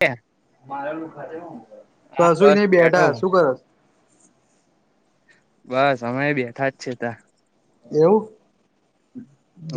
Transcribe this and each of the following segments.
હા કશું બસ નહી બેઠો બેઠા શું [unintelligible] બસ અમે બેઠા જ છે, [unintelligible] એવું.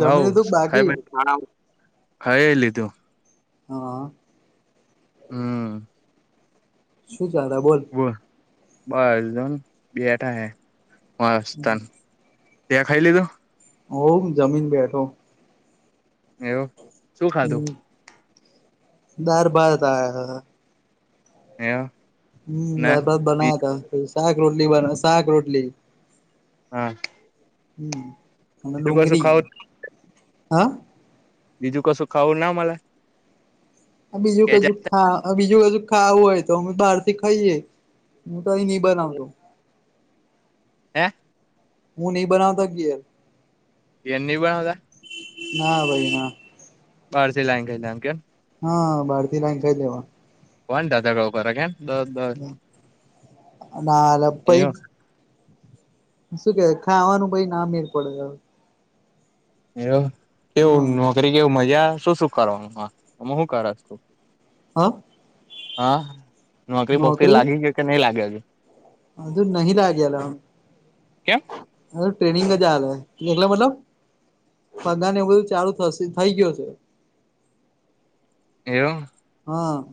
હ લીધું કે બાકી ખાઈ ખાઈ લીધું હા હમ શું ચાલ બોલ બસન બેઠા હે મસ્ન ત્યાં ખાઈ લીધું હો જમીન બેઠો એવું શું ખાધું દર બાર ત આયા હયા હમ બ બસ બનાયા ત શાક રોટલી બ શાક રોટલી હા હમ અને બીજું કશું ડુંગરી ખાવું હા બીજું કશું ખાવું ના મલા બીજું કજું ખા બીજું કજ ખાવું હોય તો અમે બહાર થી ખાઈએે હું તો નહી બનાવતો હે હું ન બનાવતો ઘેર ઘેર નહીં બનાવતા ના ભાઈ ના બહારથી લાઈને ખાઇશ એમ કેન હા બહાર થી લાઇને ખઈ લેવાનું કોણ દાધળ કર કેમ દસ દસ ના એ પહી શું કે ખાવાનું ભાઈ ના મેર પડે એવુ હા કેવું નોકરી કેવ મજા શું શું કરવાનું ત્યાં શું શું કરેશ હા હા નોકરી બોકરી લાગી ગ્યો કે નહી લાગ્યો અજુ નહી લાગ્યો લા હુ કેમ હજી ટ્રેનિંગો ચાલે ટ્રેનિંગ મતલબ પગાર ને એવું બધું ચાલુ થશે થઈ ગયો છે એવુ હા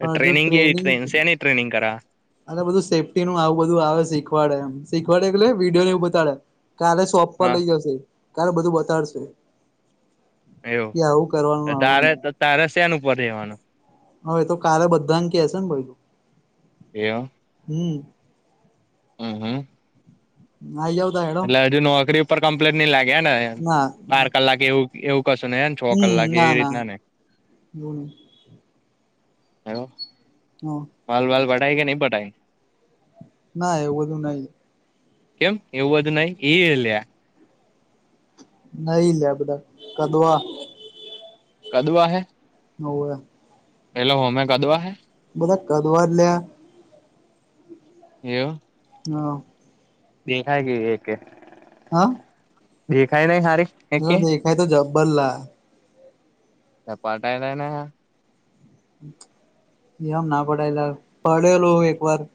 પણ હજુ ટ્રેનિંગ કેવી ટ્રેનિંગ સેની ટ્રેનિંગ કરા અને બધું સેફ્ટી નું આવું બધું આવે શીખવાડે એમ શીખવાડે એટલે વિડીયોને એવું બતાડે કાલે શોપ પર હા લઇ જશે કાલે બધું બતાડશે એવું કે આવું કરવાનું આવું તારે નહી તાર શ્યાન ઉપર રહેેવાનું હવે એ તો કા બધાંકી હશે ને ભાઈ એવુ હમ હમ હમ આવી જાવ ત્યારે હેડો એટલે હજુ નોકરી કમ્પ્લેટ નહી લાગે ને ના બાર કલાક એવું એવું કશો ને એને છો હમ કલાકે ના એવી ના રીતના ને એવું નહી એવું માલ બાલ પટાઈ કે નહિ પટાઈ ના એવું બધું નહી કેમ એવું બધું નહી એ લ્યા નહી લેપતા કદઆ કદવા હૈ પેલો હોમે કદુઆ બધા કદવા જ લ્યા એવ હા [inaudible] હા. દેખાય નહી સારી. ના દેખાય તો જબ્બરલા. તો ટાઈલાને [unintelligible] એમ ના પડાયેલા પડેલું એક વાર [unintelligible]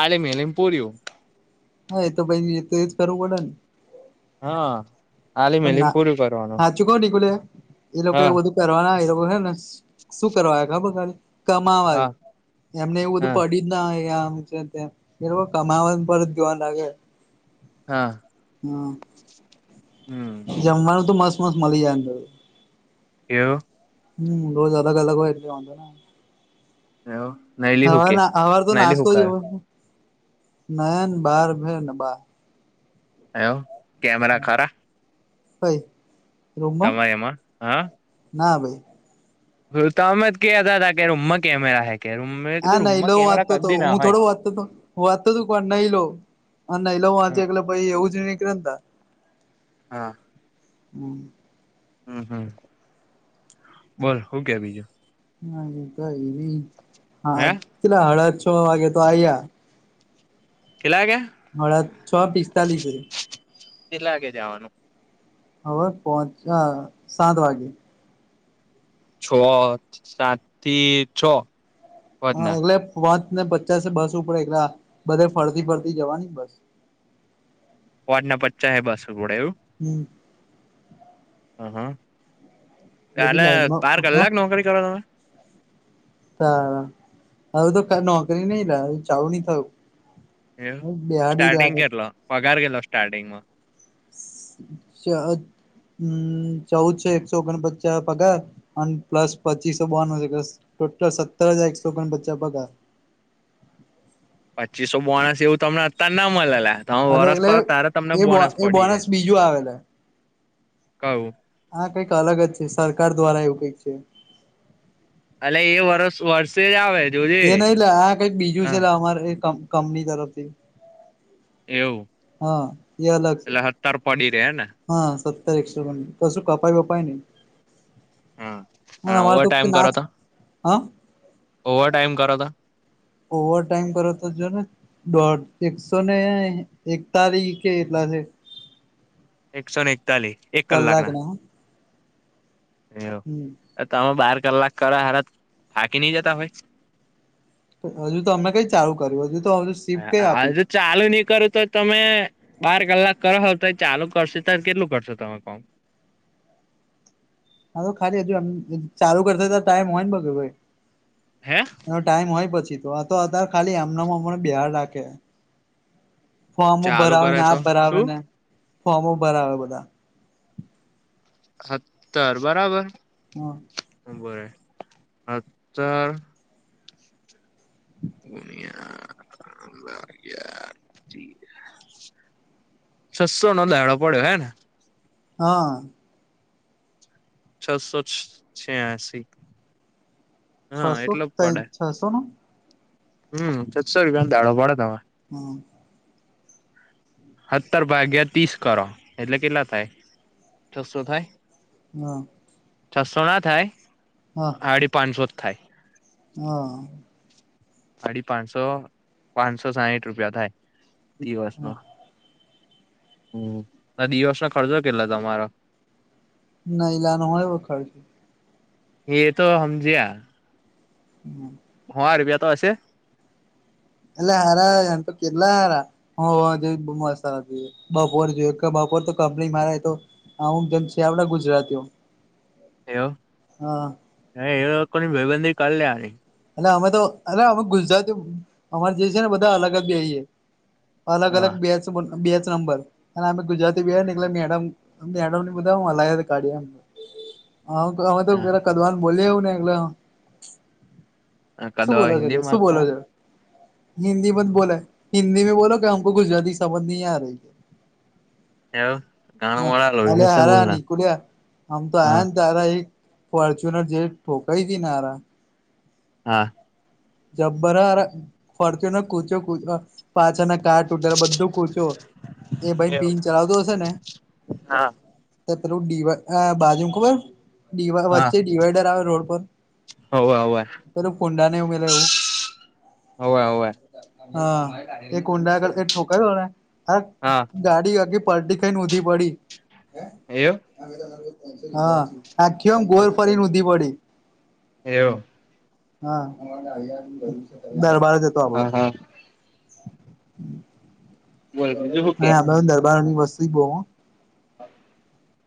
આલેમીલમ પૂરુ [unintelligible] હા એ તો ભાઈ તો એજ કરવું પડે ને [unintelligible] હા આલી પણ મેલીમ ના પૂરું કરવાનું હા ચુકવ ટિકુલે્યા [unintelligible] એ લોકો હા એવું બધું કરવાના એ લોકો હે ને શું કરવાય ખબર ખાલે [unintelligible] કમાવા જ હા એમને એવું બધું હા પડી જ ના હોય લા [unintelligible] [inaudible] હા [unintelligible] હા હમ જમવાનું તો મસ્ત મસ્ત મળી જાય. એવ. હમ રોજ અલગ અલગ હોય એટલે. એવ. હવાર અવાર તો નાસ્તો જ એવો. નાન બાર ભેર ન બા. એવ કેમેરા ખરા. હ. તમારે એમાં હા. [unintelligible] ગલ તોમદ ક અ હતા હતા કે ર ઉમ્ કેમેરાૈ. હા નહી લો વાંતો હતો હું હોય થોડો વાંચતો હતો હું વાંતો હતોું પણ નહી લો [unintelligible] હ ના લવું વાંચે એટલે પાઈ એવું જ નીકળતા [unintelligible] હા [unintelligible] [inaudible] [unintelligible] હમ હમ બોલો હું કે બીજું [unintelligible] ના એ તો એવી હા હે પેલા અડાદ છ વાગે તો આયા [unintelligible] કેટલા વાગે હળ છ પિસ્તાલીસ છે [unintelligible] એ લાગે જવાનું [unintelligible] હ પહચ સાત વાગે [unintelligible] છ સાથી છ [unintelligible] હ એગલે વા ને પચાસ બસ ઉપર એકલા બધે ફરતી ફરતી જવાની બસ. વાટના પચા હ બસ પડે એવું. હમ હ હા બધી કલે લાઈનમાં બાર કલાક નોકરી કરો તમે. હા હું તો ક નોકરી નઈ ચાલું નહી થયું. એવ બેહાડી જ સ્ટાર્ટિંગ રાખે કેટલો પગાર કેટલો સ્ટાર્ટિંગમાં. અચ્છા. હમ ચૌદ છેો એકસો ઓગણપચાસ પગાર અને પ્લસ પચીસો બોનુંસસ ટોટલ સત્તર હજાર એકસો કોણ બચ્ચા ભગા. પચીસો બોણસ એવું તમને અતાર ના મળેલા. હ એટલે વરસ એટલે કરો ત્યારે તમને એ બો બોનસ એ પડી રે બોનસ બીજું કવું. હા કઈક અલગ જ છે સરકાર દ્વારા એવું કઈક છે. અલે એ વરસ વર્ષે જ આવે છે. એ નહ લે આ કઈક બીજું છે અમારે કંપની તરફથી. એવું હા એ અલગ છે એટલે સત્તર પડી રે હેને હાત. સો કશું કપાઈ વપાઈ નને. હા હા અને અમારે ઓવર તો કે ટાઈમ કરો નાચ તો હા ઓવર ટાઈમ કરો ત ઓવર ટાઈમ કરો તો જો ને દોઢ એકસો ને એકતાલીસ કે એટલા હશે. એકસો ને એકતાલીસ એક કલાક ના કલાકના હમ એવું તમે બાર કલાક કરો હાર થાકી નઈ જતા હોય હજુ તો અમે કઈ ચાલુ કર્યું હજુ તો હજુ સીપ કઈ હ આપી હજ ચાલુ ની કરું તો તમે બાર કલાક કર હો તો એ ચાલુ કરશે ત્યારે કેટલું કરશો તમે કોમ હા તો ખાલી હજુ એમ ચાલુ કરશે તો ટાઈમ હોય ને બગ ભાઈ હે એનો ટાઈમ હોય પછી તો આ તો અતર ખાલી એમનામાં હમને બેહાર રાખે ફોર્મો ચાલુ કરે ભરાવેને આ તો શું ભરાવેને ફોર્મો ભરાવે બધા સતર બરાબર હા. ઉભો રે સતર ગુનિયા ભાગીયા છસ્સો નો દાડો પડ્યો હે ને હા. છસો છેયાસી છસો ત છસો નો હમ છસો રૂપિયાનો દાળો પડે તમારે હા. સત્તર ભાગ્યા ત્રીસ કરો એટલે કેટલા થાય છસો થાય હા. છસો ના થાય હાડી પાંચસો જ થાય હા. સાડી પાંચસો પાંચસો સાહીઠ રૂપિયા થાય દિવસનો હા દિવસનો ખર્ચો કેટલા તમારો નાયલાનું હોય એવ ખર્ચ એ તો હમજ્યા હમ. હ રૂપિયા તો હશે એટલે હારા એમ તો કેટલા હારા [unintelligible] સારા બપોર જો કેપ પોર તો કપની મા રેય તો હું જેમ છે આવડા ગુજરાતીઓ એવું. હા. હ એ લોકો કોની ભાઈબંધી કર લેવાની એટલે અમે તો અરે અમે ગુજરાતી અમાર જે છે, ને બધા અલગ જ બેહીયે અલગ અલગ બે સબંધ બેન્ચ નંબર અને અમે ગુજરાતી બેહીયે ને એટલે મેડમ મેડમ ને બધા હુ હલાય કાઢીએ એમ [inaudible] હા અવે તોરા કદવાન બોલીએ એવું ને શું બોલો છો, શું બોલો છો હિન્દી મા જ બોલે હિન્દી મે બોલો ક્યા હમ ગુજરાતી સમજ નહી આ રહી હ અરે હારા નીકુળ્યા હમ તો આયા ને તારા ફોર્ચ્યુનર જે ઠોકાઈ હતી ને હારા હા. જબરા હારા ફોર્ચ્યુનર કુચો કુ અ પાછળ ના કાચ ટૂટેલા બધું કૂચો એ ભાઈ પીન ચલાવતો હશે ને હા [unintelligible] બાજુ ખબર. [unintelligible] વચ્ચે ડિવાઈડર આવે રોડ પર [unintelligible] હા એ કુંડા [unintelligible] હા ગાડી આગી પલટી ખાઈને [unintelligible] પડી. એવું હા આખી એમ ગોળ ફરીને ઉધી પડી. એવ. હા દરબાર. હા હા. હમ. બોલ બીજું શું કે [unintelligible] અમે દરબારોની [unintelligible]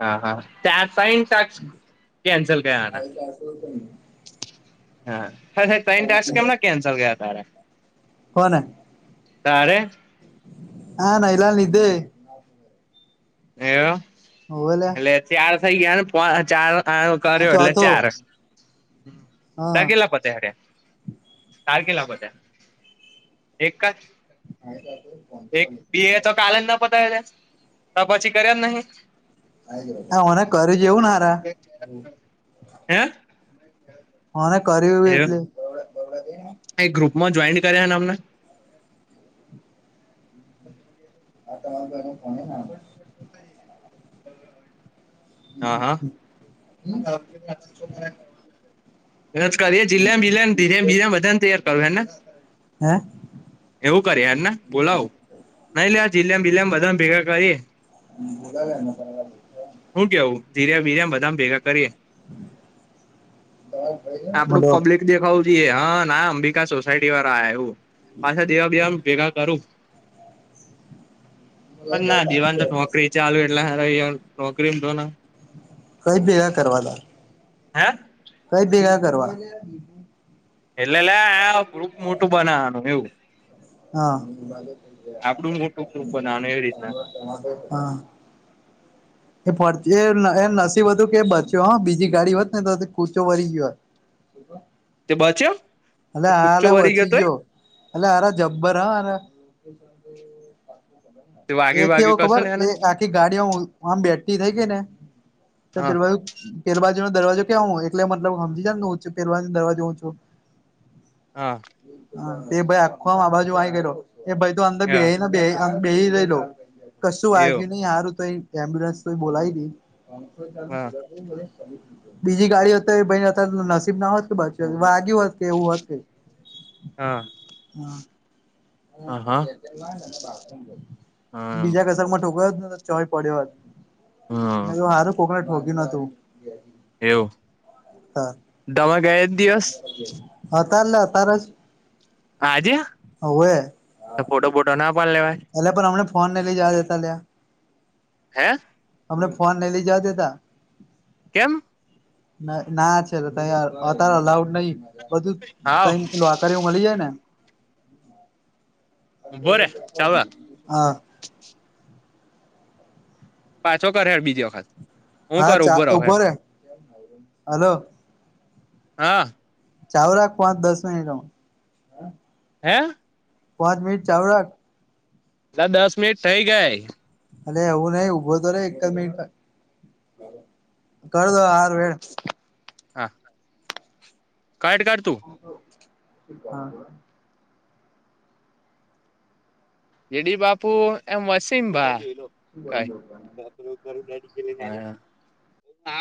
હા હા ત્યા [inaudible] હા હા [unintelligible] કેમના કેન્સલ ગયા [unintelligible] કોણ. તારે. હા [unintelligible] એ હોવે લે એટલે ચાર થઇ ગયા ને ચાર આ ચોથો હા [inaudible] [inaudible] એક જ એક બે તો [unintelligible] [unintelligible] કર્યા નહી. [inaudible] હે. હને કરી બ એટલી. એક ગ્રુપમાં જોઈન કર્યાનેમને. [unintelligible] [inaudible] હા [unintelligible] [unintelligible] કરીએ જીલેમ જીલેને [unintelligible] બધાને તૈયાર કરવ ને. હે એવું કરી [unintelligible] ના બોલાવું નઈ લે જઝલેમ જઝીલમ બધા ભેગા કરીએ. [inaudible] [inaudible] બધા ભેગા કરીએ આપડું બોલો પબ્લિક દેખાવું. હા ના અંબિકા સોસાયટી વાળા આ [unintelligible] પાછા દેવા દેવા ભેગા કરું. પણ ના દીવાન તો નોકરી ચાલુ એટલે હ નોકરી તો. કઈ ભેગા [unintelligible] હે. કઈ ભેગા કરવા. એટલે [unintelligible] ગ્રુપ મોટું બનાવાનું એવું. હા. આપડું મોટું ગુપ બનાવવાનું એવી રીતના. હ [unintelligible] હમ [inaudible] [unintelligible] એ એ નસીબ હતું કે બચ્યો હા બીજી ગાડી હોત ને તો કૂચો વરી ગયોત. [unintelligible] તે [unintelligible] એલે હા કુચ્ચો એલે વરી [unintelligible] તોય ગયો એ [unintelligible] જબ્બર હા. તે વાગ્યું એ વાગ્યું કેવું ખબર કશું ને એને એ આખી ગાડીઓ આમ બેઠતી થઈ ગઈ ને. [unintelligible] હા દરવાજો. [unintelligible] એટલે મતલબ સમજી [unintelligible] પહેરવા દરવાજો ઓછું હા હા એ ભાઈ આખોમ આ બાજુ આ કરલો એ ભાઈ તો અંદર બે હા બે બેહી લે લો કશું એવું વાગ્યું નહી સારું તો એમ્બ્યુલન્સ તો બોલાવી દ હા બીજી ગાડી હો હતો ભાઈ અત નસીબ ના હોત કે પછી વાગ્યું હોત કે એવું હોત કે હા હા હા હા બીજા કસક માં ઠોક ચોય પડ્યો વાત મે હમ તો સારું કોકરે ઠોક્યું નતું એવું દમાં ગાય હા તારલે તાર જ હા આજે ફોટો બોટો ના પાડ લેવાય એલા પણ અમને ફોન ને લઈ જ દેતા ત્યા હે અમને ફોન નઈ લઈ જ દેતા કેમ ના ના છે ત અત્યારે અલાઉડ નહી બધું હાવ ત લો આક એવું મળી જાય ને. બોર. [inaudible] પાછો કર હેાર બીજી વખત હું હા કર ચા ઉભો રહો ઉપ હેડ હલો. હા ચાવ રાખ પાંચ દસ મિનિટમાં. હા પાંચ મિનિટ ચાલુ રાખ. ના દસ મિનિટ થઈ ગયા. અ એવું નહી ઉઊભો તો રહેે એક જ મિનટ કર દો આર વળ હા કટ કાઢ તું. [inaudible] એડી બાપુ એમ વસીમ ભા શું કરું જો [inaudible]